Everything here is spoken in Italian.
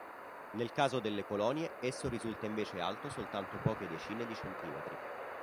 Nel caso delle colonne esso risulta invece alto soltanto poche decine di centimetri.